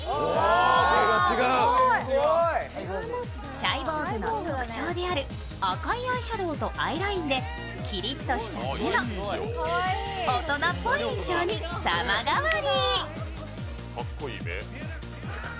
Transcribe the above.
チャイボーグの特徴である赤いアイシャドウとアイラインでキリッとした目の大人っぽい印象に様変わり。